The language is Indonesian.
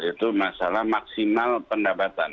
itu masalah maksimal pendapatan